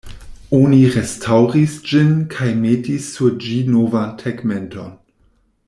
Oni restaŭris ĝin kaj metis sur ĝi novan tegmenton.